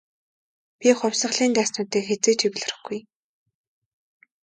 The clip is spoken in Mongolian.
Би хувьсгалын дайснуудтай хэзээ ч эвлэрэхгүй.